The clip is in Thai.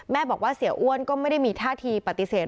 บอกว่าเสียอ้วนก็ไม่ได้มีท่าทีปฏิเสธ